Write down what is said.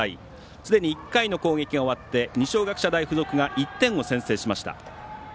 すでに１回の攻撃が終わって、二松学舎大付属が１点を先制しました。